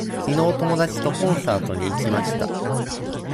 きのう友達とコンサートに行きました。